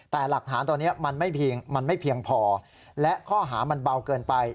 แต่หลักฐานตอนนี้มันไม่เพียงพอและข้อหามันเบาเกินไป